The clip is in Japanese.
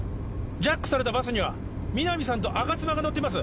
ジャックされたバスには皆実さんと吾妻が乗っています